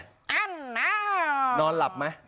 อั้นนะนอนหลับไหม